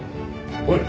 おい。